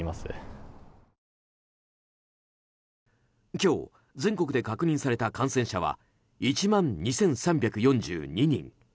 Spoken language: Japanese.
今日、全国で確認された感染者は１万２３４２人。